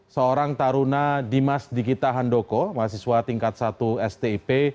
karena dimas dikita handoko mahasiswa tingkat satu stip